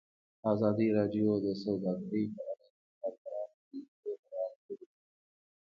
ازادي راډیو د سوداګري په اړه د کارګرانو تجربې بیان کړي.